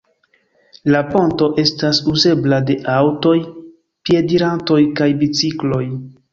La ponto estas uzebla de aŭtoj, piedirantoj kaj bicikloj.